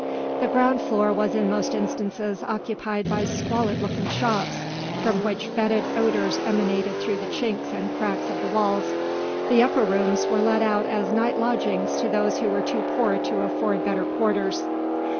The ground floor was in most instances occupied by squalid looking shops, from which fetid odours emanated through the chinks and cracks of the walls. The upper rooms were let out as night lodgings to those who were too poor to afford better quarters.